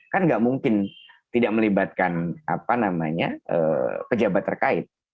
kan nggak mungkin tidak melibatkan apa namanya pejabat terkait